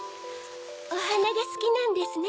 おはながスキなんですね。